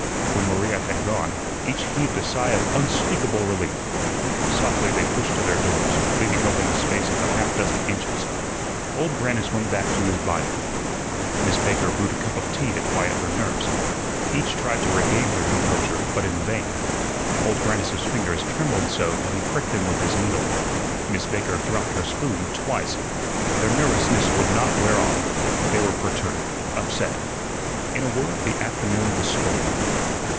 When Maria had gone, each heaved a sigh of unspeakable relief. Softly they pushed to their doors, leaving open a space of half a dozen inches. Old Grannis went back to his binding. Miss Baker brewed a cup of tea to quiet her nerves. Each tried to regain their composure, but in vain. Old Grannis's fingers trembled so that he pricked them with his needle. Miss Baker dropped her spoon twice. Their nervousness would not wear off. They were perturbed, upset. In a word, the afternoon was spoiled.